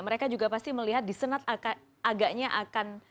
mereka juga pasti melihat di senat agaknya akan